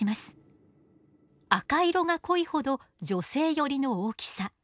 赤色が濃いほど女性寄りの大きさ。